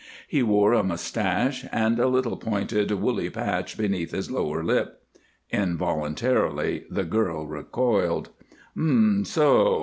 He wore a mustache, and a little pointed woolly patch beneath his lower lip. Involuntarily the girl recoiled. "Um m! So!"